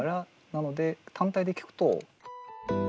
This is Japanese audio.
なので単体で聴くと。